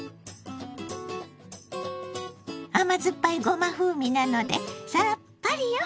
甘酸っぱいごま風味なのでさっぱりよ！